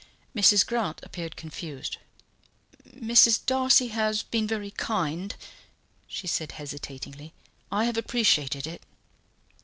Mrs. Grant appeared confused. "Mrs. Darcy has been very kind," she said hesitatingly. "I have appreciated it."